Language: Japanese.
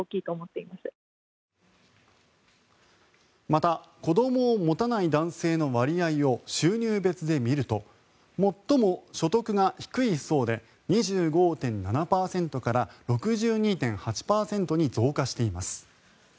また子どもを持たない男性の割合を収入別で見ると最も所得が低い層で２５．７％から６２．８％に増加しています。